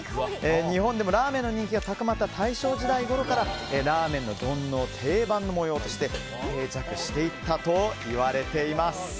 日本でもラーメンの人気が高まった大正時代ごろからラーメンの丼の定番模様として定着していったといわれています。